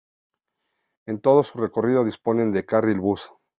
En todo su recorrido, dispone de carril bus.